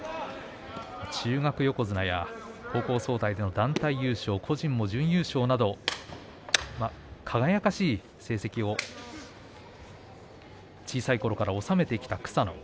中学横綱や高校総体の団体優勝個人も準優勝など輝かしい成績を小さいころからおさめてきた草野。